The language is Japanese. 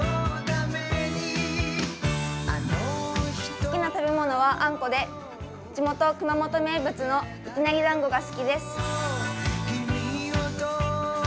好きな食べ物は、あんこで地元・熊本名物のいきなりだんごが好きです。